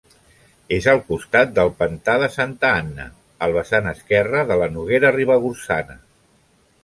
És al costat del pantà de Santa Anna, al vessant esquerre de la Noguera Ribagorçana.